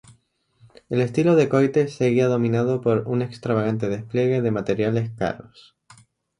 El estilo de corte seguía dominado por un extravagante despliegue de materiales caros.